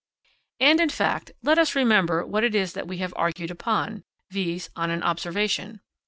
And, in fact, let us remember what it is that we have argued upon viz. on an observation.